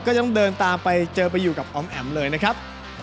ก็ต้องเดินตามไปเจอไปอยู่กับออมแอ๋มเลยนะครับ